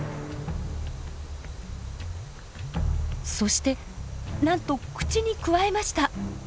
そしてなんと口にくわえました。